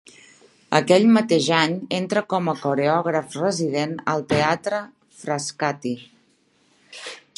Aquell mateix any entra com a coreògraf resident al Teatre Frascati.